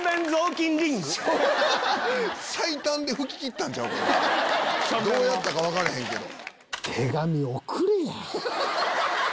⁉最短で拭ききったんちゃうかなどうやったか分からへんけど。